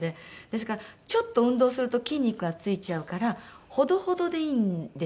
ですからちょっと運動すると筋肉が付いちゃうから程々でいいんですよ。